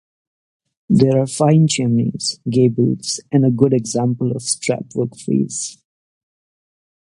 There are fine chimneys, gables and a good example of a strapwork frieze.